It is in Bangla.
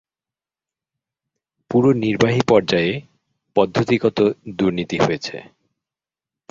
পুরো নির্বাহী পর্যায়ে পদ্ধতিগত দুর্নীতি হয়েছে।